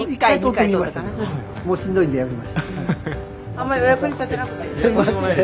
あんまりお役に立てなくてすいません。